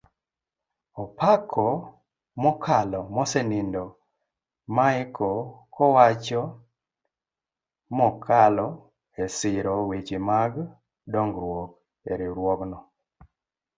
Opako mokalo mosenindo maeko kowacho mokalo esiro weche mag dongruok eriwruogno